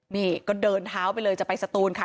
นี่ก็เดินเท้าไปเลยจะไปสตูนค่ะ